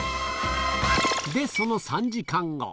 で、その３時間後。